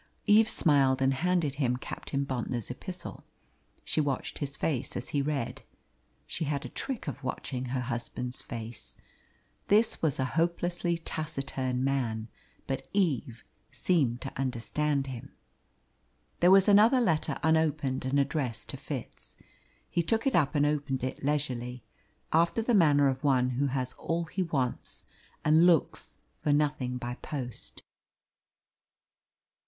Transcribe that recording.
Eve smiled and handed him Captain Bontnor's epistle. She watched his face as he read she had a trick of watching her husband's face. This was a hopelessly taciturn man, but Eve seemed to understand him. There was another letter unopened and addressed to Fitz. He took it up and opened it leisurely, after the manner of one who has all he wants and looks for nothing by post.